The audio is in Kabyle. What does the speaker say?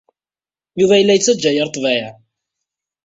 Yuba yella yettajja yir ḍḍbayeɛ.